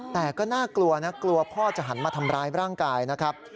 แต่ก็น่ากลัวนะกลัวพ่อจะหันมาทำร้ายร่างกายนะครับ